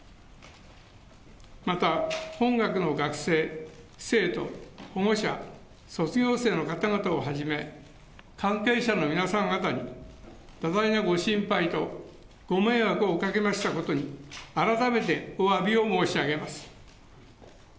また本学の学生、生徒、保護者、卒業生の方々をはじめ、関係者の皆様方に多大なご心配とご迷惑をかけましたことに改めておわびを申し上げます。